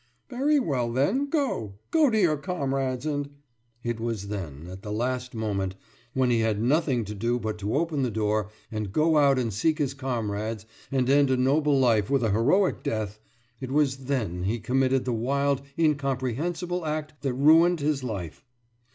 »Very well, then! Go ... go to your comrades and....« It was then, at the last moment, when he had nothing to do but to open the door and go out and seek his comrades and end a noble life with a heroic death it was then he committed the wild, incomprehensible act that ruined his life.